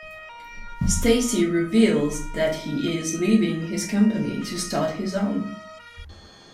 Stacy reveals that he is leaving his company to start his own.